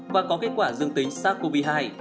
và có kết quả dương tính sars cov hai